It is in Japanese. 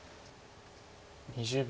２０秒。